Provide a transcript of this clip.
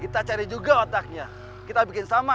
kita cari juga otaknya kita bikin sama